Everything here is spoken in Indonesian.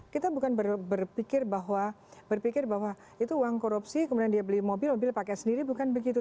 kita bukan berpikir bahwa itu uang korupsi kemudian dia beli mobil mobil pakai sendiri bukan begitu